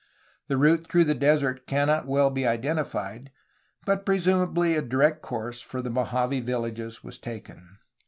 The route through the desert cannot well be identified, but presumably a direct course for the Mojave villages was taken.